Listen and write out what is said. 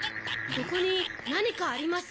ここになにかあります。